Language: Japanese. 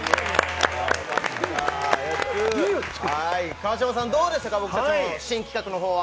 川島さん、どうでしたか僕たちの新企画は？